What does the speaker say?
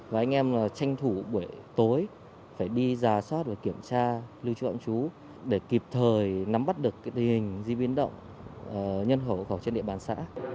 và anh em là tranh thủ buổi tối phải đi giả soát và kiểm tra lưu trú ẩm trú để kịp thời nắm bắt được tình hình di biến động nhân hộ khẩu trên địa bàn xã